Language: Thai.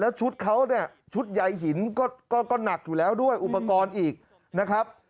ชุดเขาเนี่ยชุดใยหินก็หนักอยู่แล้วด้วยอุปกรณ์อีกนะครับ